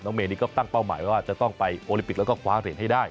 เมย์นี่ก็ตั้งเป้าหมายว่าจะต้องไปโอลิปิกแล้วก็คว้าเหรียญให้ได้